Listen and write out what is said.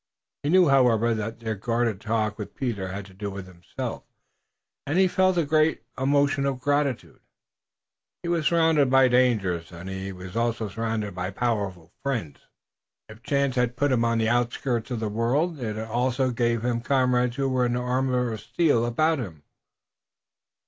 He knew, however, that their guarded talk with Peter had to do with himself, and he felt a great emotion of gratitude. If he was surrounded by dangers he was also surrounded by powerful friends. If chance had put him on the outskirts of the world it had also given him comrades who were an armor of steel about him.